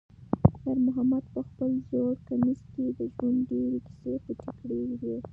خیر محمد په خپل زوړ کمیس کې د ژوند ډېرې کیسې پټې کړې وې.